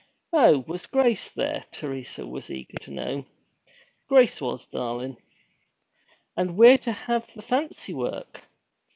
'Oh, was Grace there?' Teresa was eager to know. 'Grace was, darlin'.' 'And we're to have the fancy work!